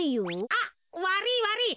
あっわりいわりい。